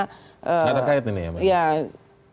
tidak terkait ini ya mbak eva